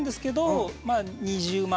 まあ２０万